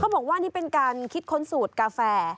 บอกว่านี่เป็นการคิดค้นสูตรกาแฟ